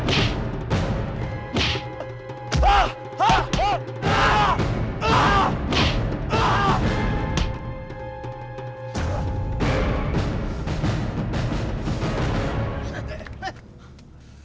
itu mitu ethan kemana mana